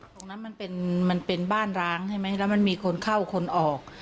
มันเป็นมันเป็นบ้านร้างใช่ไหมแล้วมันมีคนเข้าคนออก